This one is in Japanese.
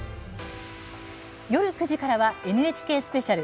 夜９時からはＮＨＫスペシャル。